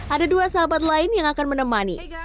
ada dua sahabat lain yang akan menemani